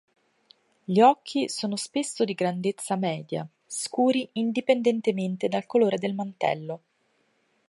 Gli occhi sono spesso di grandezza media, scuri indipendentemente dal colore del mantello.